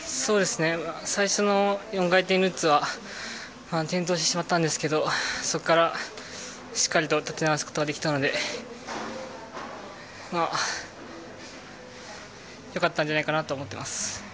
最初の４回転ルッツは転倒してしまったんですけどそこからしっかりと立て直すことができたので良かったんじゃないかなと思っています。